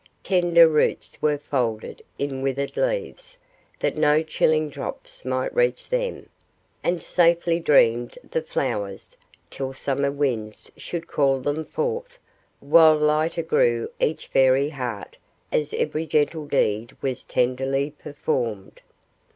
Tender roots were folded in withered leaves, that no chilling drops might reach them; and safely dreamed the flowers, till summer winds should call them forth; while lighter grew each Fairy heart, as every gentle deed was tenderly performed.